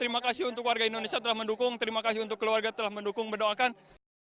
terima kasih untuk warga indonesia telah mendukung terima kasih untuk keluarga telah mendukung mendoakan